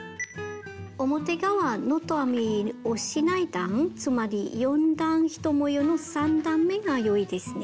表側ノット編みをしない段つまり４段１模様の３段めが良いですね。